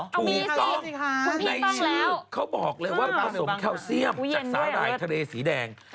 ถูกต้องในชื่อเขาบอกเลยว่าผสมแคลเซียมจากสาหร่ายทะเลสีแดง